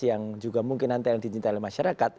yang juga mungkin nanti yang di cintai masyarakat